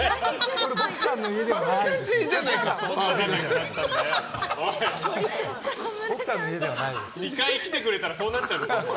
これ、僕ちゃんの２回来てくれたらそうなっちゃう。